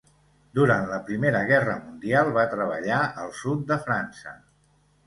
Durant la Primera Guerra Mundial, va treballar al sud de França.